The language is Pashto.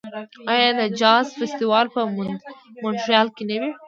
آیا د جاز فستیوال په مونټریال کې نه وي؟